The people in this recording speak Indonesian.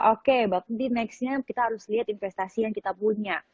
oke berarti nextnya kita harus lihat investasi yang kita punya